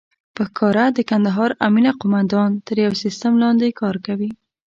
په ښکاره د کندهار امنيه قوماندان تر يو سيستم لاندې کار کوي.